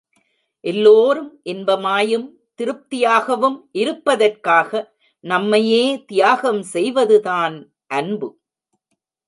எல்லோரும் இன்பமாயும் திருப்தியாகவும் இருப்பதற்காக நம்மையே தியாகம் செய்வதுதான் அன்பு.